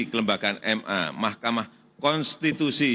kelembagaan ma mahkamah konstitusi